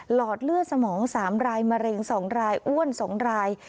หอดเลือดสมอง๓รายมะเร็ง๒รายอ้วน๒ราย